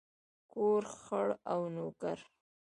کور، خر او نوکر.